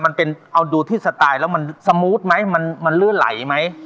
มันเป็นเอาดูที่สไตล์แล้วมันสมูทไหมมันลื่นไหลไหม